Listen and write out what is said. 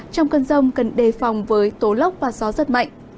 trong cơn rông cần đề phòng với tố lốc và gió rất mạnh